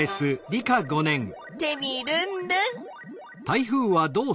テミルンルン！